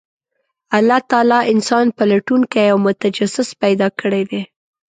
الله تعالی انسان پلټونکی او متجسس پیدا کړی دی،